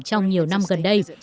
trong nhiều năm gần đây